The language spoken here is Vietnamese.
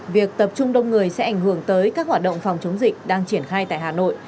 việc tập trung đông người sẽ ảnh hưởng tới các hoạt động phòng chống dịch đang triển khai tại hà nội